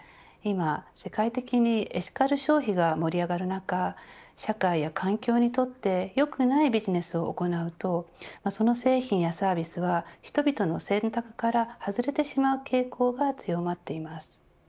今、世界的にエシカル消費が盛り上がる中社会や環境にとってよくないビジネスを行うとその製品やサービスは人々の選択から外れてしまう傾向が強まっています。